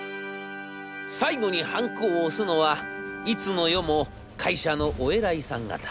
最後にハンコを押すのはいつの世も会社のお偉いさん方。